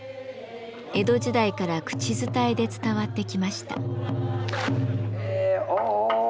江戸時代から口伝えで伝わってきました。